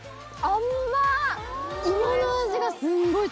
「あまい！」